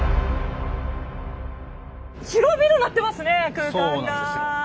広々なってますね空間が。